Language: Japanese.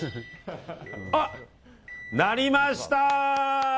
あっ、鳴りました。